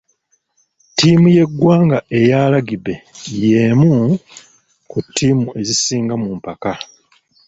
Ttiimu y'eggwanga eya lagibe y'emu ku ttiimu ezisinga mu mpaka.